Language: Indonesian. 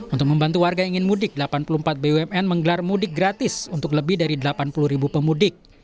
untuk membantu warga yang ingin mudik delapan puluh empat bumn menggelar mudik gratis untuk lebih dari delapan puluh ribu pemudik